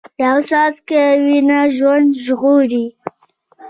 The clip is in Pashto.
یو څاڅکی وینه ژوند ژغوري